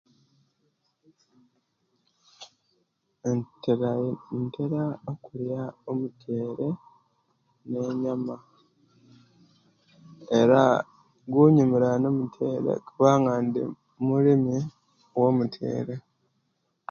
Ntera intera okulya omutiyere ne enyama, era gunyumira ino omutiyere kubanga ndi mulimi wo mutyere